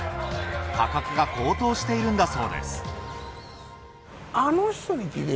価格が高騰しているんだそうです。